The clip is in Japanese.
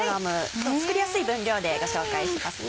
今日作りやすい分量でご紹介しますね。